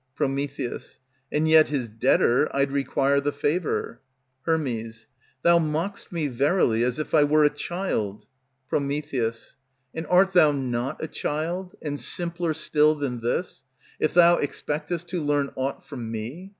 Pr. And yet his debtor I'd requite the favor. Her. Thou mock'st me verily as if I were a child. Pr. And art thou not a child, and simpler still than this, If thou expectest to learn aught from me?